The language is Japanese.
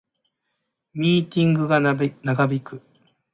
ミーティングが長引く